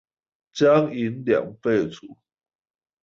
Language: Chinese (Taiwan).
將銀兩廢除